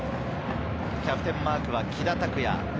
キャプテンマークは喜田拓也。